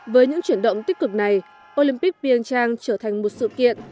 với những chuyển động tích cực này olympic vien trang trở thành một sự kiện